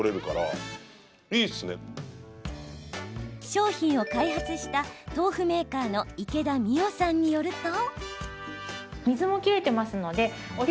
商品を開発した豆腐メーカーの池田未央さんによると。